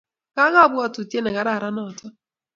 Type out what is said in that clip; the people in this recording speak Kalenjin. Ka kabuatutiet ne karan notok